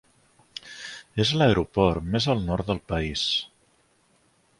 És l'aeroport més al nord del país.